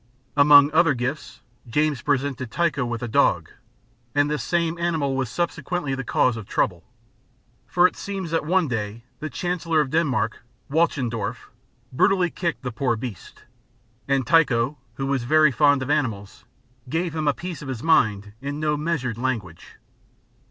Among other gifts, James presented Tycho with a dog (depicted in Fig. 24), and this same animal was subsequently the cause of trouble. For it seems that one day the Chancellor of Denmark, Walchendorf, brutally kicked the poor beast; and Tycho, who was very fond of animals, gave him a piece of his mind in no measured language.